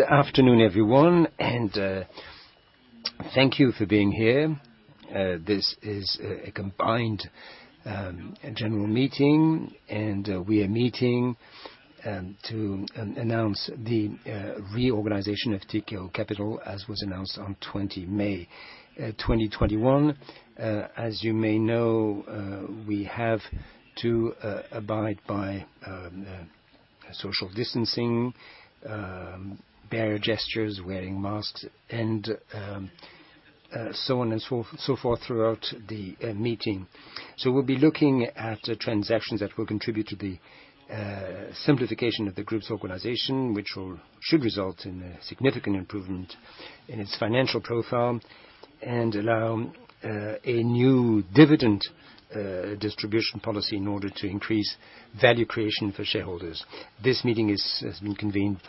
Good afternoon, everyone, and thank you for being here. This is a combined general meeting, and we are meeting to announce the reorganization of Tikehau Capital, as was announced on 20 May 2021. As you may know, we have to abide by social distancing, barrier gestures, wearing masks, and so on and so forth throughout the meeting. We'll be looking at transactions that will contribute to the simplification of the group's organization, which should result in a significant improvement in its financial profile and allow a new dividend distribution policy in order to increase value creation for shareholders. This meeting is being convened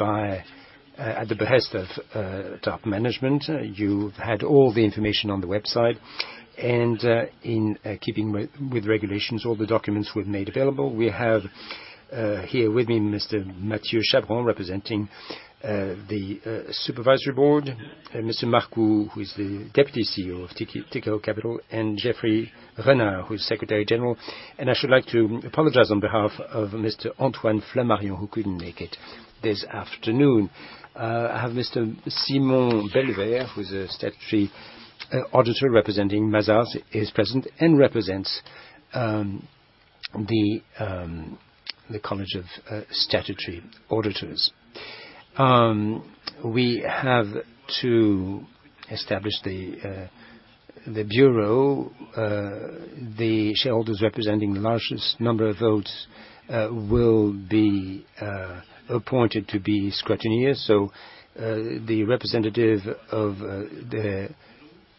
at the behest of top management. You've had all the information on the website, and in keeping with regulations, all the documents were made available. We have here with me Mr. Mathieu Chabran, representing the Supervisory Board, Mr. Henri Marcoux, who's the Deputy CEO of Tikehau Capital, and Geoffroy Renard, who's Secretary General. I should like to apologize on behalf of Mr. Antoine Flamarion, who couldn't make it this afternoon. I have Mr. Simon Beillevaire, who's a statutory auditor representing Mazars, is present and represents the College of Statutory Auditors. We have to establish the bureau. The shareholders representing the largest number of votes will be appointed to be scrutineers. The representative of the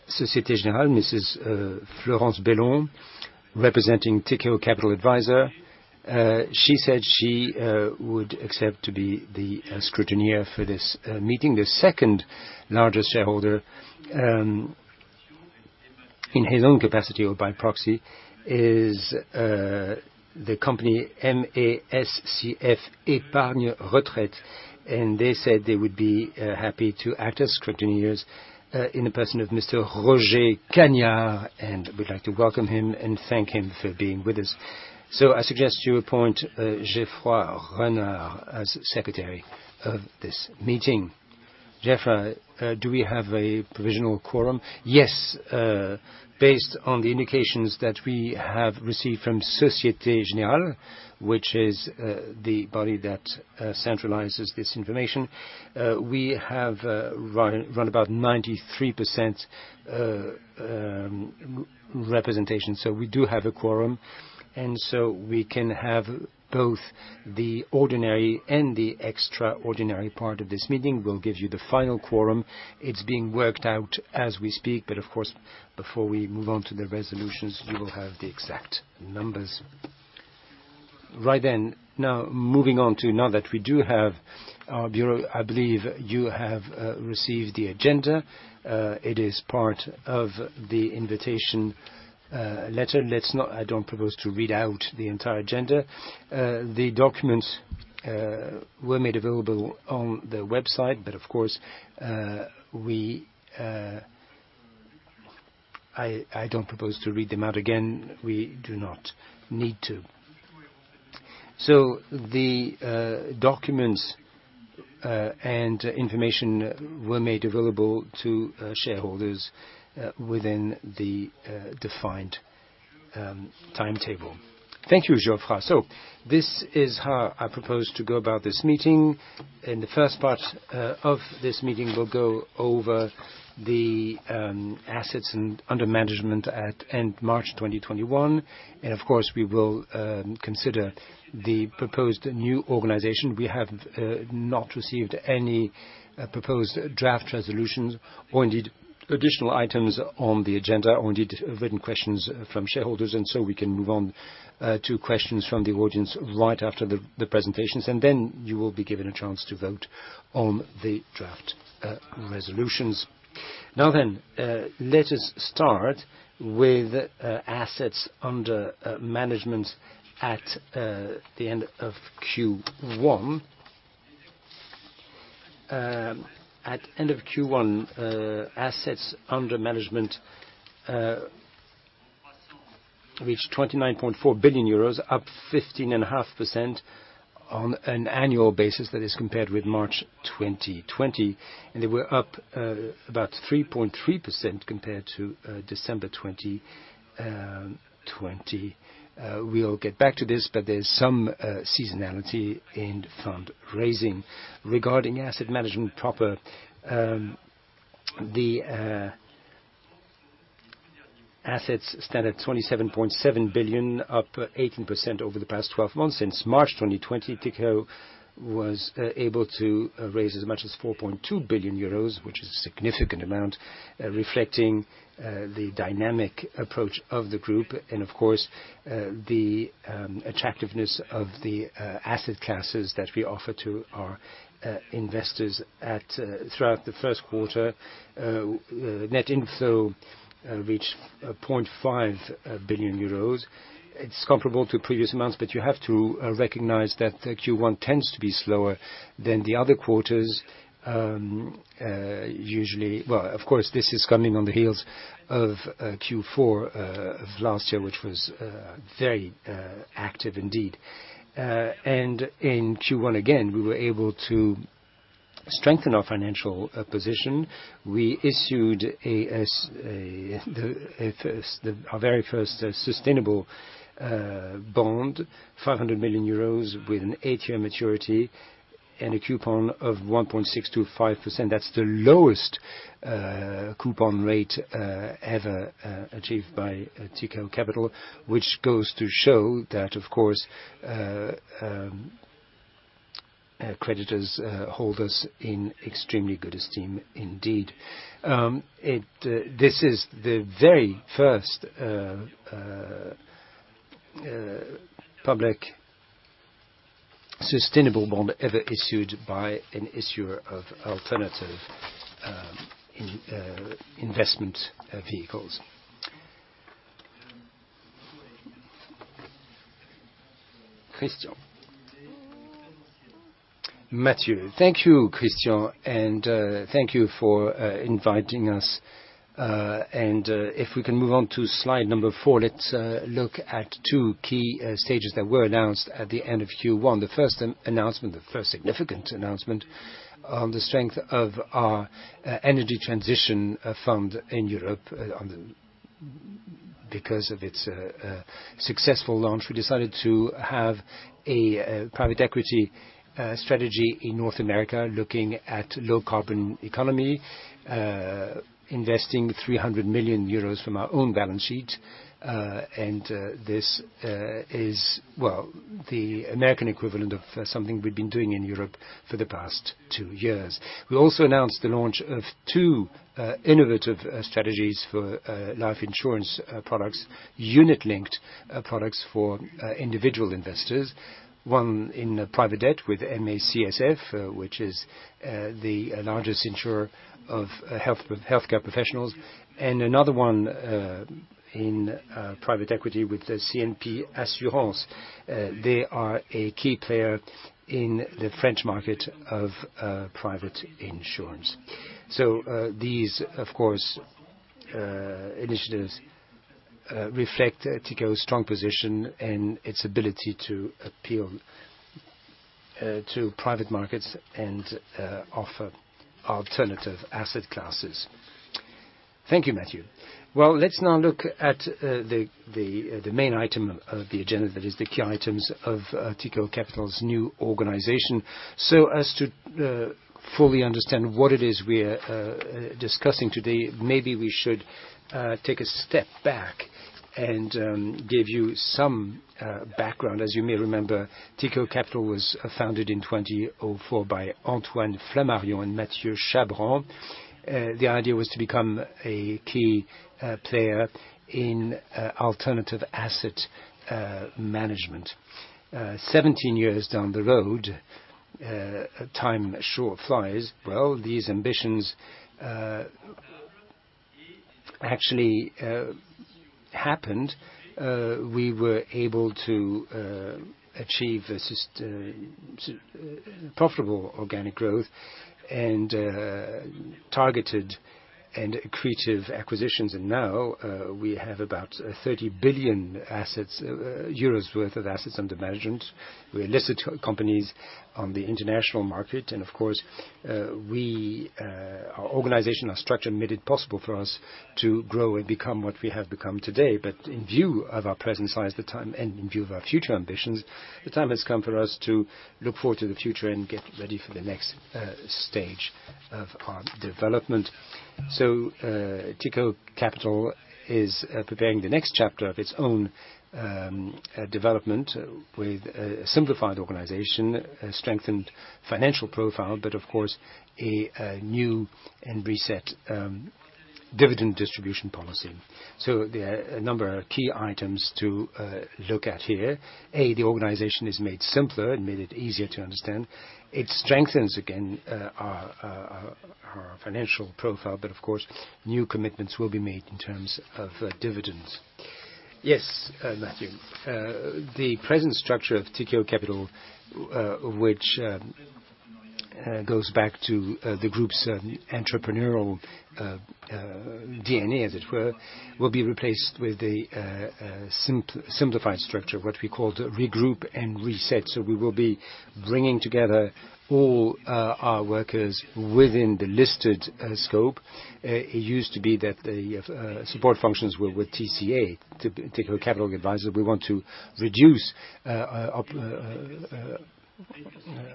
Société Générale, Mrs. Florence Bellon, representing Tikehau Capital Advisors. She said she would accept to be the scrutineer for this meeting. The second-largest shareholder, in his own capacity or by proxy, is the company MACSF Épargne Retraite, and they said they would be happy to act as scrutineers in the person of Mr. Roger Caniard, and we'd like to welcome him and thank him for being with us. I suggest you appoint Geoffroy Renard as secretary of this meeting. Geoffroy, do we have a provisional quorum? Yes. Based on the indications that we have received from Société Générale, which is the body that centralizes this information, we have around about 93% representation, so we do have a quorum, and so we can have both the ordinary and the extraordinary part of this meeting. We'll give you the final quorum. It's being worked out as we speak, but of course, before we move on to the resolutions, you will have the exact numbers. Right then. Now, moving on to now that we do have our bureau, I believe you have received the agenda. It is part of the invitation letter. I don't propose to read out the entire agenda. The documents were made available on the website, but of course, I don't propose to read them out again. We do not need to. The documents and information were made available to shareholders within the defined timetable. Thank you, Geoffroy. This is how I propose to go about this meeting. In the first part of this meeting, we'll go over the assets under management at the end of March 2021. Of course, we will consider the proposed new organization. We have not received any proposed draft resolutions or indeed additional items on the agenda or indeed written questions from shareholders. We can move on to questions from the audience right after the presentations. You will be given a chance to vote on the draft resolutions. Let us start with assets under management at the end of Q1. At end of Q1, assets under management reached 29.4 billion euros, up 15.5% on an annual basis. That is compared with March 2020. They were up about 3.3% compared to December 2020. We'll get back to this. There's some seasonality in fundraising. Regarding asset management proper, the assets stand at 27.7 billion, up 18% over the past 12 months. Since March 2020, Tikehau was able to raise as much as 4.2 billion euros, which is a significant amount, reflecting the dynamic approach of the group and, of course, the attractiveness of the asset classes that we offer to our investors throughout the first quarter. Net inflow reached 0.5 billion euros. It's comparable to previous months, you have to recognize that Q1 tends to be slower than the other quarters usually. Of course, this is coming on the heels of Q4 of last year, which was very active indeed. In Q1, again, we were able to strengthen our financial position. We issued our very first sustainable bond, 500 million euros with an eight-year maturity and a coupon of 1.625%. That's the lowest coupon rate ever achieved by Tikehau Capital, which goes to show that, of course, creditors hold us in extremely good esteem indeed. This is the very first public sustainable bond ever issued by an issuer of alternative investment vehicles. Christian? Mathieu, thank you, Christian. Thank you for inviting us. If we can move on to slide number 4, let's look at 2 key stages that were announced at the end of Q1. The first significant announcement on the strength of our energy transition fund in Europe. Because of its successful launch, we decided to have a private equity strategy in North America, looking at low-carbon economy, investing 300 million euros from our own balance sheet. This is, well, the American equivalent of something we've been doing in Europe for the past two years. We also announced the launch of two innovative strategies for life insurance products, unit-linked products for individual investors. One in private debt with MACSF, which is the largest insurer of healthcare professionals, and another one in private equity with CNP Assurances. They are a key player in the French market of private insurance. These, of course, initiatives reflect Tikehau's strong position and its ability to appeal to private markets and offer alternative asset classes. Thank you, Mathieu Chabran. Well, let's now look at the main item of the agenda, that is the key items of Tikehau Capital's new organization. As to fully understand what it is we're discussing today, maybe we should take a step back and give you some background. As you may remember, Tikehau Capital was founded in 2004 by Antoine Flamarion and Mathieu Chabran. The idea was to become a key player in alternative asset management. 17 years down the road, time sure flies, well, these ambitions actually happened. We were able to achieve profitable organic growth and targeted and accretive acquisitions. Now we have about 30 billion euros worth of assets under management. We're listed companies on the international market, and of course, our organization, our structure, made it possible for us to grow and become what we have become today. In view of our present size and in view of our future ambitions, the time has come for us to look forward to the future and get ready for the next stage of our development. Tikehau Capital is preparing the next chapter of its own development with a simplified organization, a strengthened financial profile, but of course, a new and reset dividend distribution policy. There are a number of key items to look at here. A, the organization is made simpler and made it easier to understand. It strengthens, again, our financial profile, but of course, new commitments will be made in terms of dividends. Yes, Mathieu. The present structure of Tikehau Capital, which goes back to the group's entrepreneurial DNA, as it were, will be replaced with the simplified structure, what we call the regroup and reset. We will be bringing together all our workers within the listed scope. It used to be that the support functions were with TCA, Tikehau Capital Advisors. We want to reduce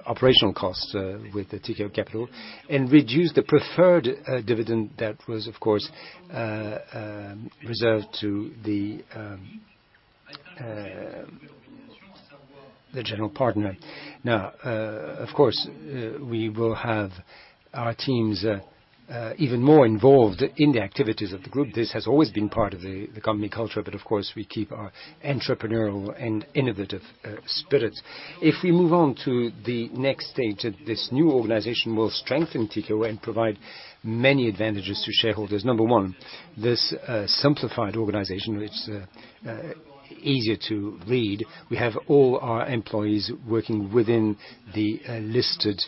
operational costs with the Tikehau Capital and reduce the preferred dividend that was, of course, reserved to the general partner. Now, of course, we will have our teams even more involved in the activities of the group. This has always been part of the company culture, but of course, we keep our entrepreneurial and innovative spirits. If we move on to the next stage, this new organization will strengthen Tikehau and provide many advantages to shareholders. Number one, this simplified organization, which is easier to read. We have all our employees working within the listed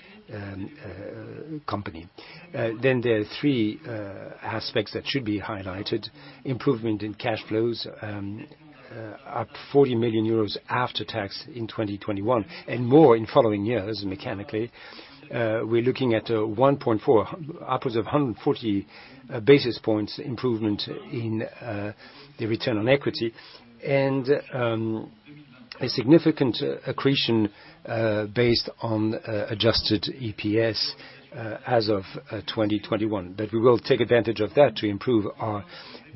company. There are three aspects that should be highlighted. Improvement in cash flows, up 40 million euros after tax in 2021, and more in following years mechanically. We're looking at upwards of 140 basis points improvement in the return on equity. A significant accretion based on adjusted EPS as of 2021. We will take advantage of that to improve our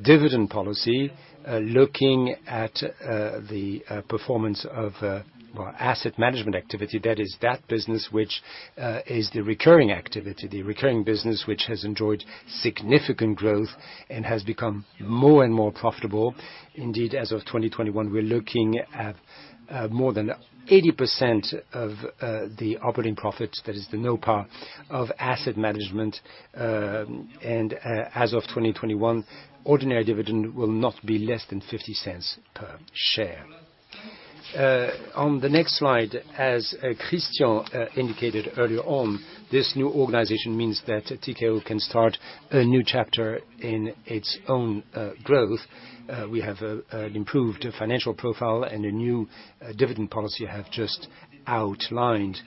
dividend policy, looking at the performance of our asset management activity. That is that business which is the recurring activity, the recurring business which has enjoyed significant growth and has become more and more profitable. Indeed, as of 2021, we're looking at more than 80% of the operating profit, that is the NOPAT of asset management, and as of 2021, ordinary dividend will not be less than 0.50 per share. On the next slide, as Christian indicated earlier on, this new organization means that Tikehau can start a new chapter in its own growth. We have an improved financial profile and a new dividend policy I have just outlined.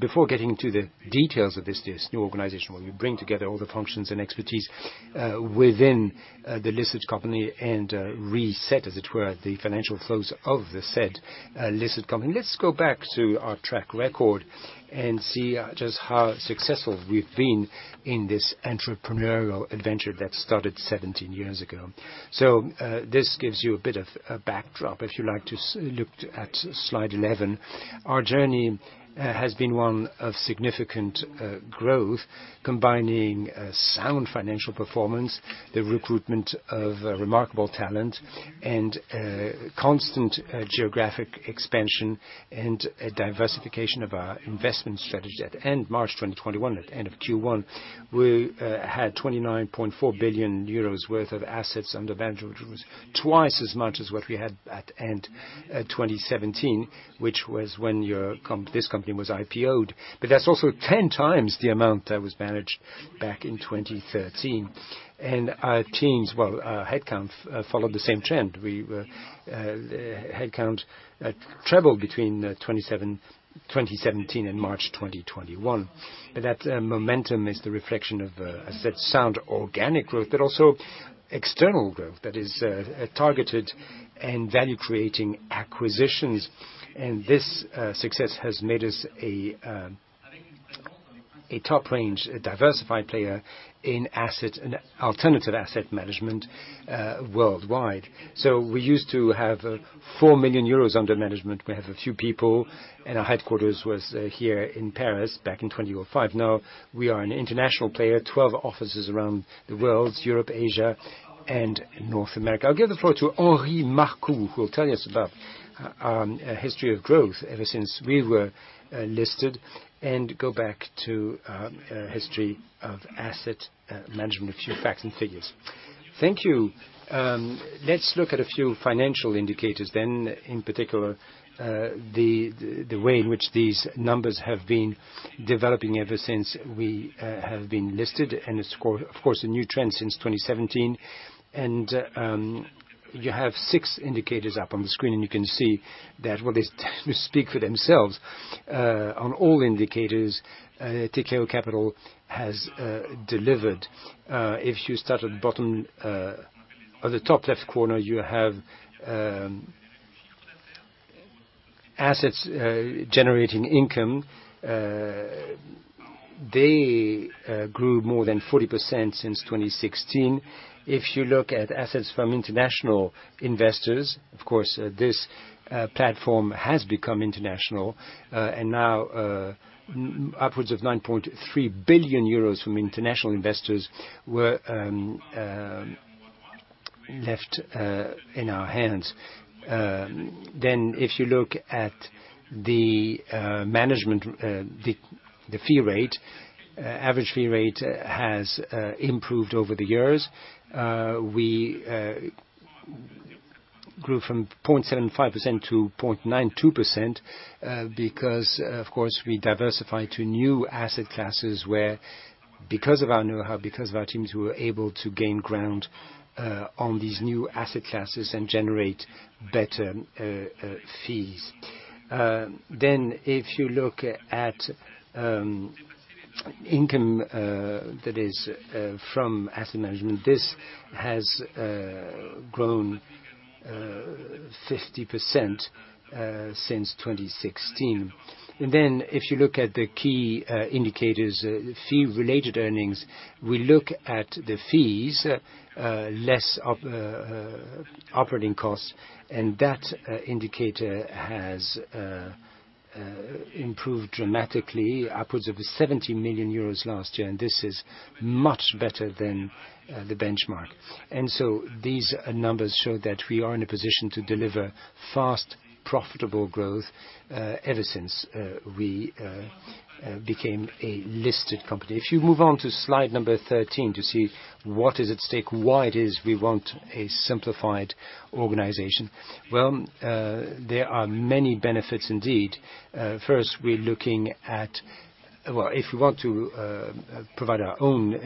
Before getting to the details of this new organization, where we bring together all the functions and expertise within the listed company and reset, as it were, the financial flows of the said listed company. Let's go back to our track record and see just how successful we've been in this entrepreneurial adventure that started 17 years ago. This gives you a bit of a backdrop, if you like to look at slide 11. Our journey has been one of significant growth, combining sound financial performance, the recruitment of remarkable talent, and constant geographic expansion and diversification of our investment strategy. At the end of March 2021, at the end of Q1, we had 29.4 billion euros worth of assets under management, which was 2x as much as what we had at the end of 2017, which was when this company was IPO'd. That's also 10x the amount that was managed back in 2013. Our teams, well, our headcount followed the same trend. The headcount 3x between 2017 and March 2021. That momentum is the reflection of a sound, organic growth, but also external growth that is targeted and value-creating acquisitions. This success has made us a top-range diversified player in alternative asset management worldwide. We used to have 4 million euros under management. We had a few people, and our headquarters was here in Paris back in 2005. Now we are an international player, 12 offices around the world, Europe, Asia, and North America. I'll give the floor to Henri Marcoux who will tell us about our history of growth ever since we were listed and go back to our history of asset management, a few facts and figures. Thank you. Let's look at a few financial indicators then, in particular, the way in which these numbers have been developing ever since we have been listed, and of course, a new trend since 2017. You have six indicators up on the screen. You can see that well, they speak for themselves. On all indicators, Tikehau Capital has delivered. If you start at the top left corner, you have assets generating income. They grew more than 40% since 2016. If you look at assets from international investors, of course, this platform has become international, and now upwards of 9.3 billion euros from international investors were left in our hands. If you look at the management, the fee rate, average fee rate has improved over the years. We grew from 0.75% to 0.92% because, of course, we diversified to new asset classes where because of our know-how, because of our teams, we were able to gain ground on these new asset classes and generate better fees. If you look at income that is from asset management, this has grown 50% since 2016. If you look at the key indicators, the fee-related earnings, we look at the fees less operating costs, that indicator has improved dramatically, upwards of 70 million euros last year, this is much better than the benchmark. These numbers show that we are in a position to deliver fast, profitable growth ever since we became a listed company. If you move on to slide 13 to see what is at stake, why it is we want a simplified organization. There are many benefits indeed. First, we're looking at, if we want to provide our own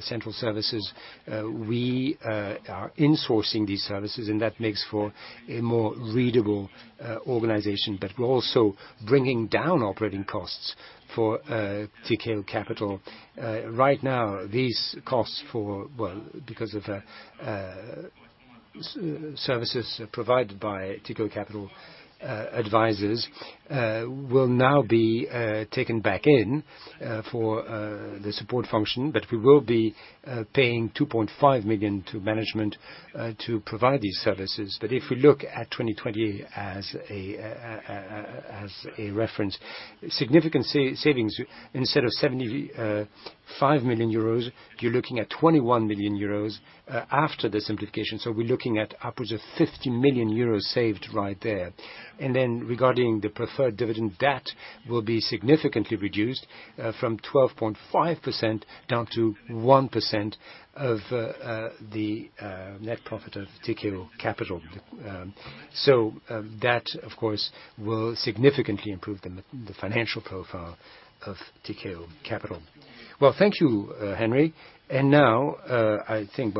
central services, we are insourcing these services, that makes for a more readable organization. We are also bringing down operating costs for Tikehau Capital. Right now, these costs for, well, because of the services provided by Tikehau Capital Advisors will now be taken back in for the support function, we will be paying 2.5 million to management to provide these services. If you look at 2020 as a reference, significant savings, instead of 75 million euros, you're looking at 21 million euros after the simplification. We're looking at upwards of 50 million euros saved right there. Regarding the preferred dividend, that will be significantly reduced from 12.5% down to 1% of the net profit of Tikehau Capital. That, of course, will significantly improve the financial profile of Tikehau Capital. Well, thank you, Henri. Now, I think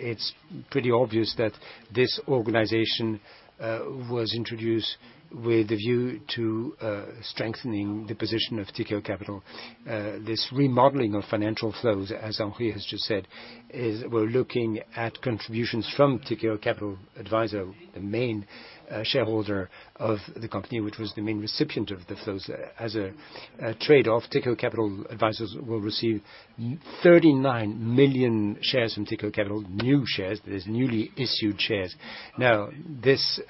it's pretty obvious that this organization was introduced with a view to strengthening the position of Tikehau Capital. This remodeling of financial flows, as Henri has just said, we're looking at contributions from Tikehau Capital Advisors, the main shareholder of the company, which was the main recipient of the flows. As a trade-off, Tikehau Capital Advisors will receive 39 million shares from Tikehau Capital, new shares, that is newly issued shares. This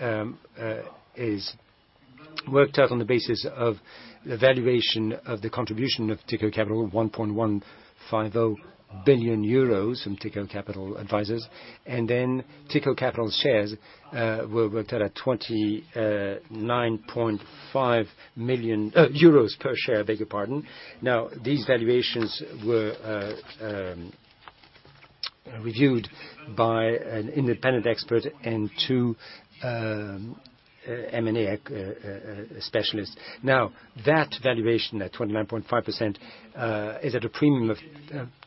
is worked out on the basis of the valuation of the contribution of Tikehau Capital, 1.150 billion euros in Tikehau Capital Advisors. Tikehau Capital shares were worked out at 29.5 million euros per share. These valuations were reviewed by an independent expert and two M&A specialists. That valuation at 29.5% is at a premium of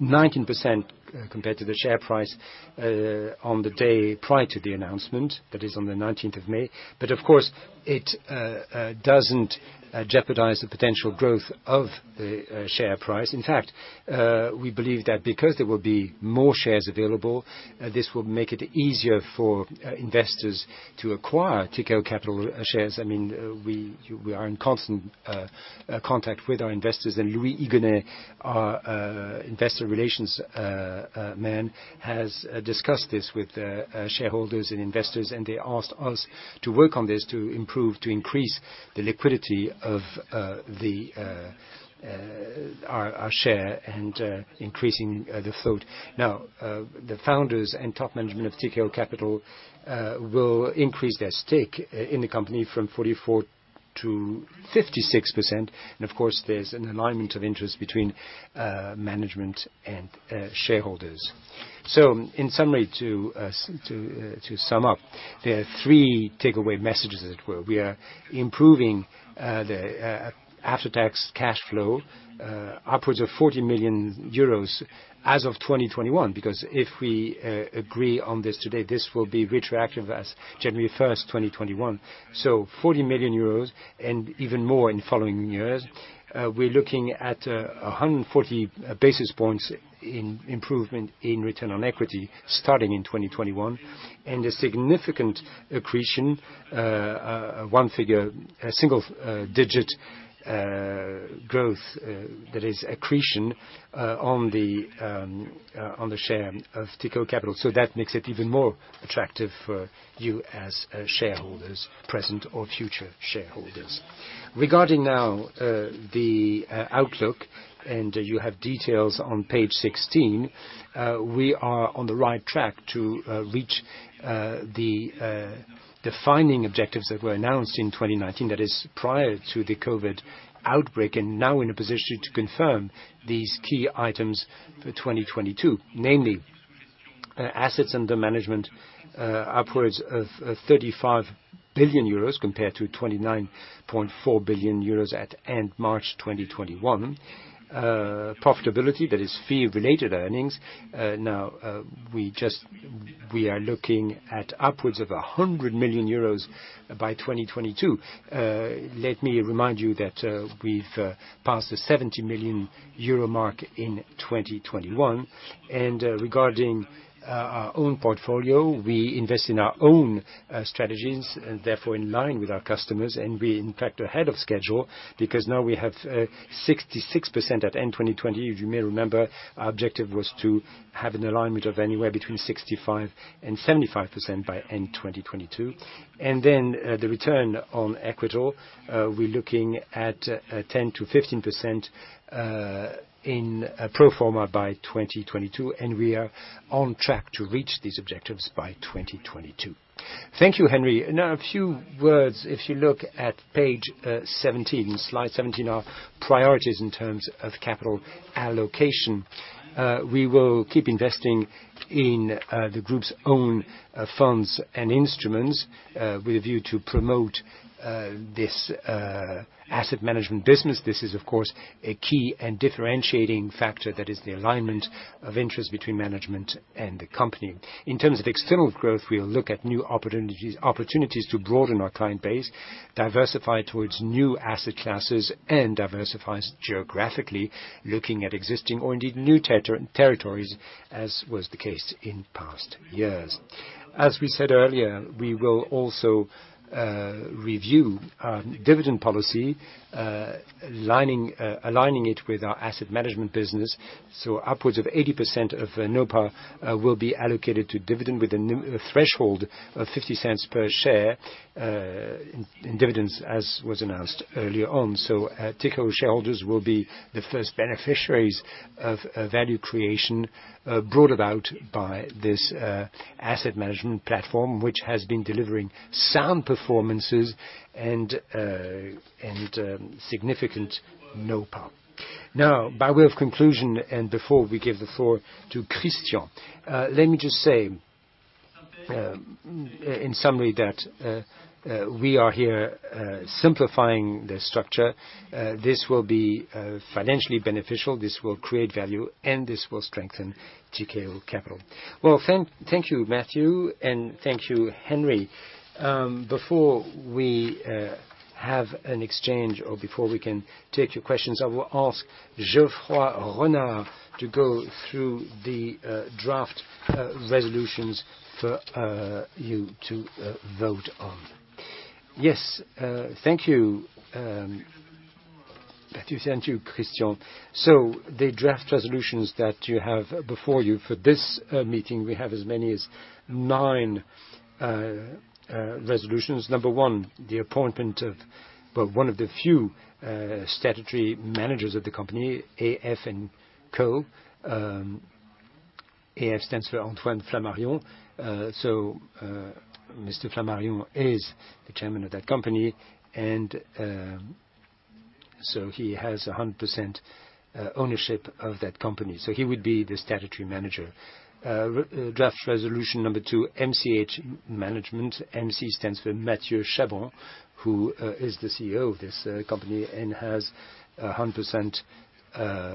19% compared to the share price on the day prior to the announcement, that is on the 19th of May. Of course, it doesn't jeopardize the potential growth of the share price. In fact, we believe that because there will be more shares available, this will make it easier for investors to acquire Tikehau Capital shares. We are in constant contact with our investors, and Louis Igonet, our investor relations man, has discussed this with shareholders and investors, and they asked us to work on this to improve, to increase the liquidity of our share and increasing the float. The founders and top management of Tikehau Capital will increase their stake in the company from 44% to 56%. Of course, there's an alignment of interest between management and shareholders. In summary, to sum up, there are three takeaway messages. We are improving the after-tax cash flow upwards of 40 million euros as of 2021, because if we agree on this today, this will be retroactive as January 1st, 2021. 40 million euros and even more in following years. We're looking at 140 basis points improvement in return on equity starting in 2021, a significant accretion, a single-digit growth that is accretion on the share of Tikehau Capital. That makes it even more attractive for you as shareholders, present or future shareholders. Regarding now the outlook, you have details on page 16. We are on the right track to reach the defining objectives that were announced in 2019, that is prior to the COVID outbreak, now in a position to confirm these key items for 2022, namely, assets under management upwards of 35 billion euros compared to 29.4 billion euros at end March 2021. Profitability, that is fee-related earnings. We are looking at upwards of 100 million euros by 2022. Let me remind you that we've passed the 70 million euro mark in 2021. Regarding our own portfolio, we invest in our own strategies, therefore in line with our customers, we're in fact ahead of schedule because now we have 66% at end 2020. If you may remember, our objective was to have an alignment of anywhere between 65% and 75% by end 2022. The return on equity, we're looking at 10%-15% in pro forma by 2022, and we are on track to reach these objectives by 2022. Thank you, Henri. Now a few words. If you look at page 17, slide 17, our priorities in terms of capital allocation. We will keep investing in the group's own funds and instruments, with a view to promote this asset management business. This is, of course, a key and differentiating factor that is the alignment of interest between management and the company. In terms of external growth, we'll look at new opportunities to broaden our client base, diversify towards new asset classes, and diversify geographically, looking at existing or indeed new territories, as was the case in past years. As we said earlier, we will also review our dividend policy, aligning it with our asset management business. Upwards of 80% of NOPAT will be allocated to dividend with a threshold of 0.50 per share in dividends as was announced earlier on. Tikehau shareholders will be the first beneficiaries of value creation, brought about by this asset management platform, which has been delivering sound performances and significant NOPAT. By way of conclusion, and before we give the floor to Christian, let me just say in summary that we are here simplifying the structure. This will be financially beneficial, this will create value, and this will strengthen Tikehau Capital. Well, thank you, Mathieu, and thank you, Henri. Before we have an exchange or before we can take your questions, I will ask Geoffroy Renard to go through the draft resolutions for you to vote on. Yes. Thank you, Mathieu. Thank you, Christian. The draft resolutions that you have before you for this meeting, we have as many as 9 resolutions. Number 1, the appointment of one of the few statutory managers of the company, AF&Co. AF stands for Antoine Flamarion. Mr. Flamarion is the chairman of that company, and he has 100% ownership of that company. He would be the statutory manager. Draft resolution number 2, MCH Management. MC stands for Mathieu Chabran, who is the CEO of this company and has 100%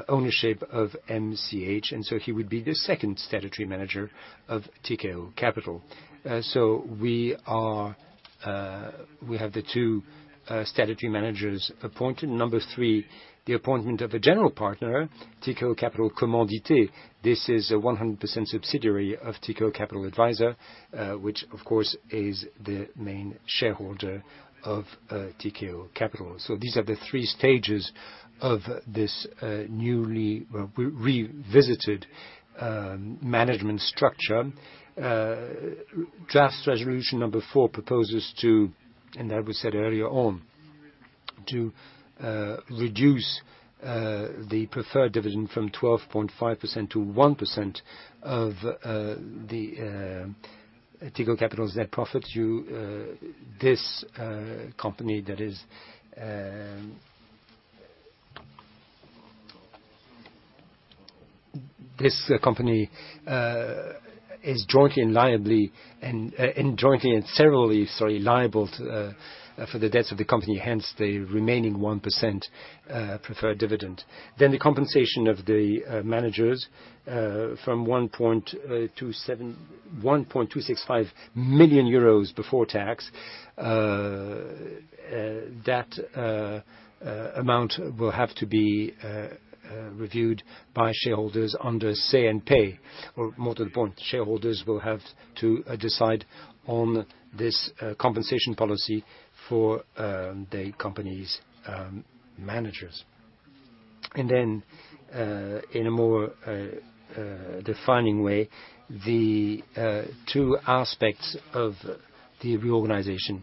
ownership of MCH, and so he would be the second statutory manager of Tikehau Capital. We have the two statutory managers appointed. Number 3, the appointment of a general partner, Tikehau Capital Commandité. This is a 100% subsidiary of Tikehau Capital Advisors, which of course, is the main shareholder of Tikehau Capital. These are the threestages of this newly revisited management structure. Draft resolution number 4 proposes to, and as we said earlier on, to reduce the preferred dividend from 12.5% to 1% of the Tikehau Capital's net profits. This company is jointly and severally liable for the debts of the company, hence the remaining 1% preferred dividend. The compensation of the managers from 1.265 million euros before tax. That amount will have to be reviewed by shareholders under Say-on-Pay, or more to the point, shareholders will have to decide on this compensation policy for the company's managers. In a more defining way, the two aspects of the reorganization.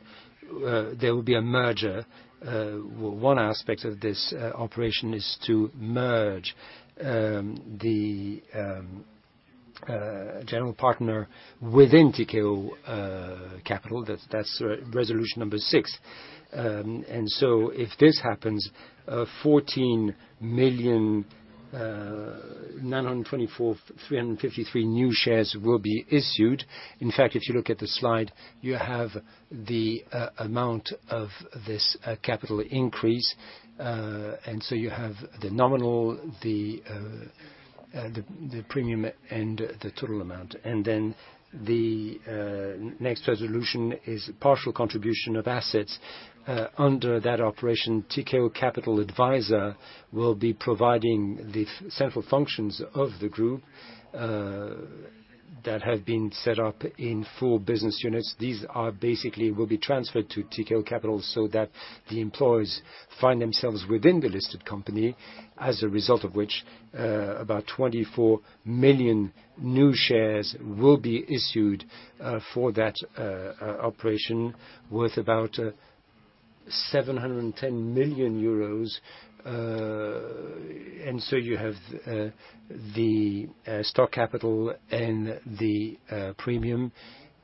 There will be a merger. One aspect of this operation is to merge the General Partner within Tikehau Capital. That's resolution number 6. If this happens, 14,924,353 new shares will be issued. In fact, if you look at the slide, you have the amount of this capital increase. You have the nominal, the premium, and the total amount. The next resolution is partial contribution of assets. Under that operation, Tikehau Capital Advisors will be providing the central functions of the group that have been set up in 4 business units. These basically will be transferred to Tikehau Capital so that the employees find themselves within the listed company, as a result of which, about 24 million new shares will be issued for that operation worth about 710 million euros. You have the stock capital and the premium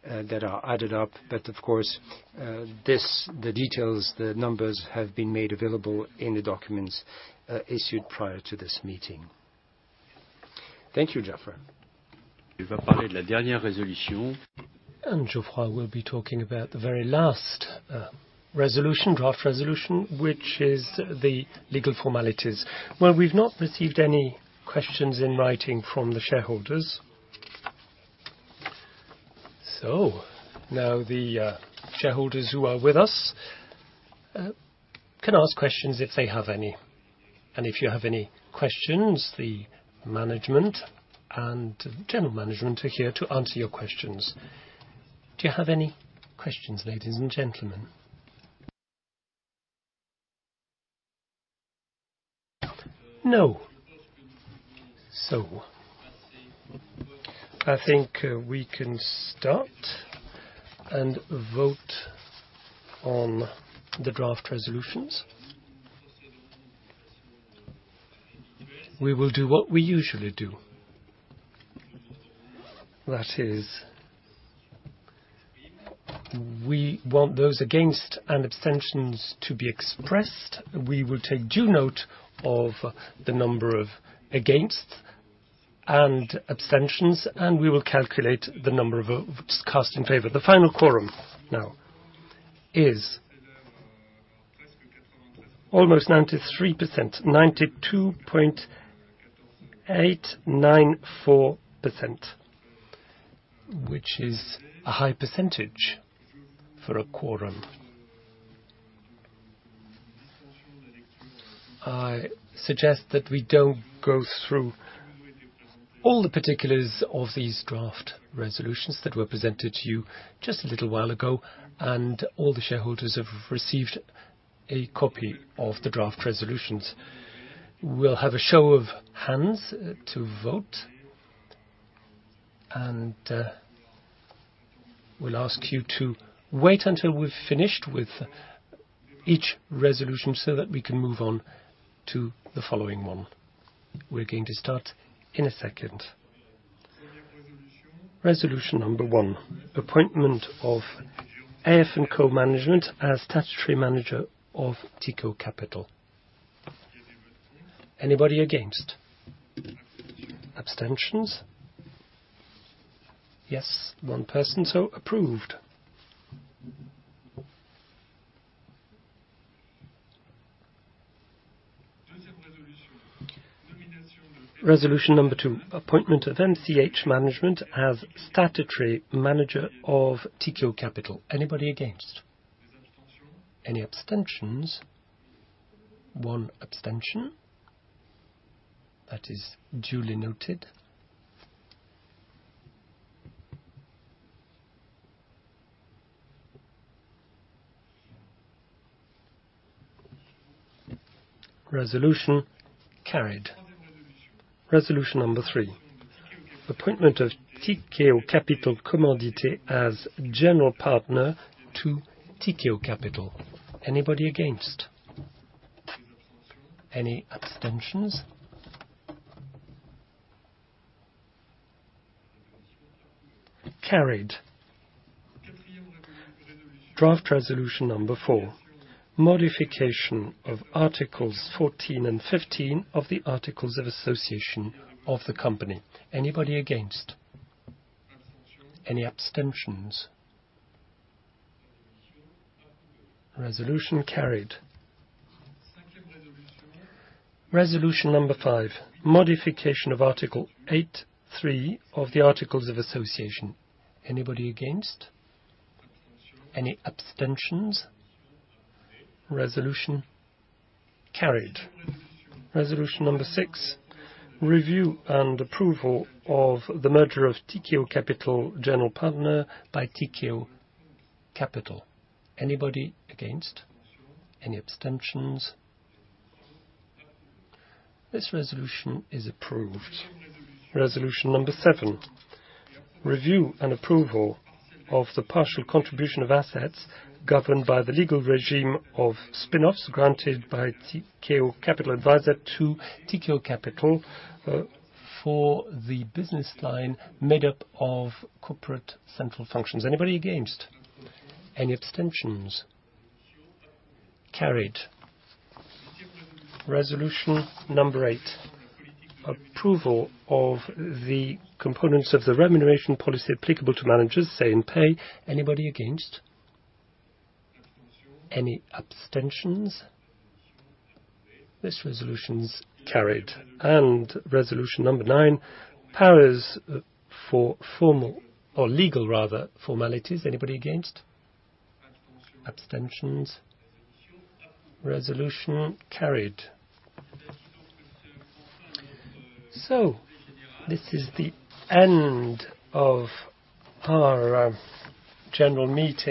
that are added up. Of course, the details, the numbers have been made available in the documents issued prior to this meeting. Thank you, Geoffroy. He will talk about the last resolution. Geoffroy will be talking about the very last draft resolution, which is the legal formalities. Well, we've not received any questions in writing from the shareholders. Now the shareholders who are with us can ask questions if they have any. If you have any questions, the management and general management are here to answer your questions. Do you have any questions, ladies and gentlemen? No. I think we can start and vote on the draft resolutions. We will do what we usually do. That is, we want those against and abstentions to be expressed. We will take due note of the number of against and abstentions, and we will calculate the number of votes cast in favor. The final quorum now is almost 93%, 92.894%, which is a high percentage for a quorum. I suggest that we don't go through all the particulars of these draft resolutions that were presented to you just a little while ago. All the shareholders have received a copy of the draft resolutions. We'll have a show of hands to vote, and we'll ask you to wait until we've finished with each resolution so that we can move on to the following one. We're going to start in a second. Resolution number 1, appointment of AF&Co Management as statutory manager of Tikehau Capital. Anybody against? Abstentions? Yes. One person. Approved. Resolution number 2, appointment of MCH Management as statutory manager of Tikehau Capital. Anybody against? Any abstentions? 1 abstention. That is duly noted. Resolution carried. Resolution number 3, appointment of Tikehau Capital Commandité as general partner to Tikehau Capital. Anybody against? Any abstentions? Carried. Draft resolution number 4, modification of Articles 14 and 15 of the articles of association of the company. Anybody against? Any abstentions? Resolution carried. Resolution number 5, modification of Article 8.3 of the articles of association. Anybody against? Any abstentions? Resolution carried. Resolution number 6, review and approval of the merger of Tikehau Capital General Partner by Tikehau Capital. Anybody against? Any abstentions? This resolution is approved. Resolution number 7, review and approval of the partial contribution of assets governed by the legal regime of spinoffs granted by Tikehau Capital Advisors to Tikehau Capital for the business line made up of corporate central functions. Anybody against? Any abstentions? Carried. Resolution number 8, approval of the components of the remuneration policy applicable to managers, Say-on-Pay. Anybody against? Any abstentions? This resolution's carried. Resolution number 9, powers for legal formalities. Anybody against? Abstentions? Resolution carried. This is the end of our general meeting.